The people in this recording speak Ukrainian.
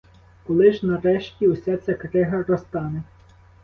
Коли ж, нарешті, уся ця крига розтане?